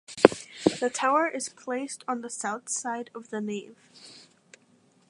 The tower is placed on the south side of the nave.